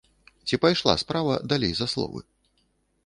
Ці пайшла справа далей за словы?